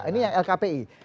ini yang lkpi